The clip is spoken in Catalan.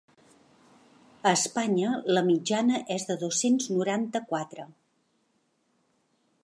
A Espanya la mitjana és de dos-cents noranta-quatre.